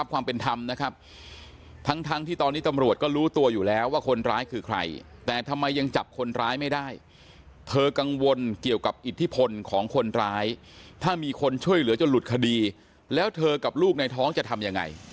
ความเป็นธรรมนะครับทั้งที่ตอนนี้ตำรวจก็รู้ตัวอยู่แล้วว่าคนร้ายคือใครแต่ทำไมยังจับคนร้ายไม่ได้เธอกังวลเกี่ยวกับอิทธิพลของคนร้ายถ้ามีคนช่วยเหลือจนหลุดคดีแล้วเธอกับลูกในท้องจะทำยังไง